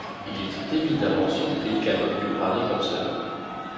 Il était évidemment surpris qu’un homme pût parler comme cela.